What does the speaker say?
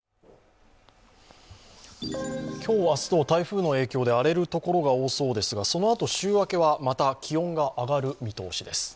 今日明日と台風の影響で荒れるところが多そうですが、そのあと、週明けはまた気温が上がる見通しです。